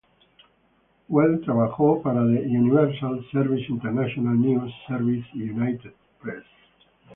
Weld trabajó para The Universal Service, International News Service y United Press.